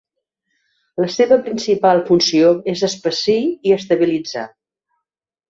La seva principal funció és espessir i estabilitzar.